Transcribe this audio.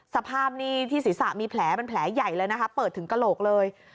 สภาพนี้ที่ศีรษะมีแผลเป็นแผลใหญ่เลยนะคะเปิดถึงกระโหลกเลย